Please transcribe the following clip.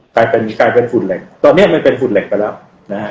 กลายเป็นกลายเป็นฝุ่นเหล็กตอนเนี้ยมันเป็นฝุ่นเหล็กไปแล้วนะฮะ